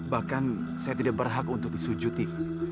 bahkan saya tidak berhak untuk disujuti